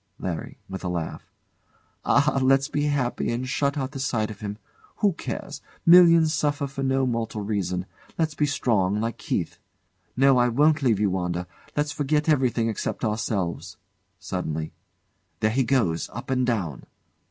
LARRY. [With a laugh] Ah! Let's be happy and shut out the sight of him. Who cares? Millions suffer for no mortal reason. Let's be strong, like Keith. No! I won't leave you, Wanda. Let's forget everything except ourselves. [Suddenly] There he goes up and down!